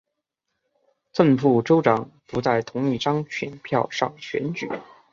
正副州长不在同一张选票上选举。